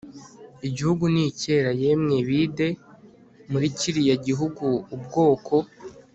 igihugu ni cyera yemwe bide muri kiriya gihugu ubwoko